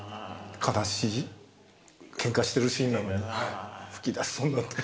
悲しいケンカしてるシーンなのに吹き出しそうになったり。